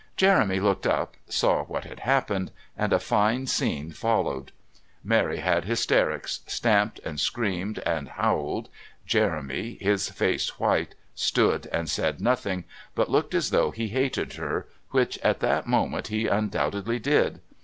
Jeremy looked up, saw what had happened, and a fine scene followed. Mary had hysterics, stamped and screamed and howled. Jeremy, his face white, stood and said nothing, but looked as though he hated her, which at that moment he undoubtedly did.